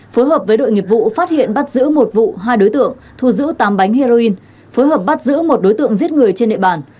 phối hợp với đội nghiệp vụ phát hiện bắt giữ một vụ hai đối tượng thu giữ tám bánh heroin phối hợp bắt giữ một đối tượng giết người trên địa bàn